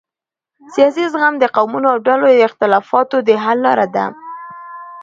سیاسي زغم د قومونو او ډلو د اختلافاتو د حل لاره ده